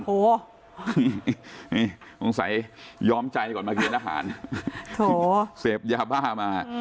คงใส่ยอมใจก่อนมาเกณฑ์ทหารเสพยาบ้ามา